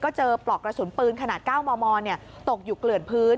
ก็เจอปลอกกระสุนปืนขนาดเก้ามอมอร์เนี้ยตกอยู่เกลือดพื้น